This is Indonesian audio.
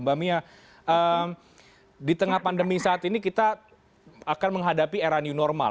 mbak mia di tengah pandemi saat ini kita akan menghadapi era new normal